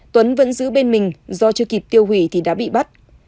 tuấn vẫn giữ bên mình do chưa kịp tiêu hủy thì đã bị bắt